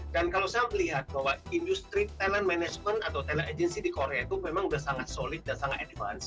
dan kalau saya melihat bahwa industri talent management atau tele agency di korea itu memang sudah sangat solid dan sangat advance